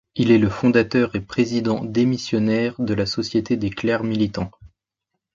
Il est le fondateur et président démissionnaire de la Société des clercs militants.